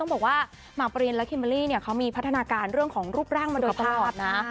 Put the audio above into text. ต้องบอกว่าหมากปะรินและขิมมาลี่เขามีพัฒนาการเรื่องของรูปร่างมันทุกขภาพนะ